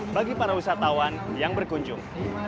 bagi para wisatawan yang berkunjung